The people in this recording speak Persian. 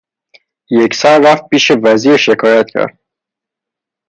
یکسر رفت پیش وزیر شکایت گرد